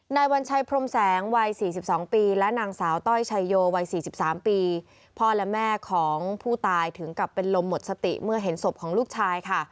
วัญชัยพรมแสงวัย๔๒ปีและนางสาวต้อยชัยโยวัย๔๓ปีพ่อและแม่ของผู้ตายถึงกลับเป็นลมหมดสติเมื่อเห็นศพของลูกชายค่ะ